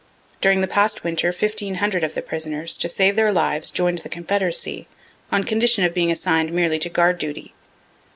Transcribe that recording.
During the past winter 1500 of the prisoners, to save their lives, join'd the confederacy, on condition of being assign'd merely to guard duty.